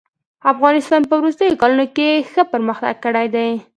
افغانستان په وروستيو کلونو کښي ښه پرمختګ کړی دئ.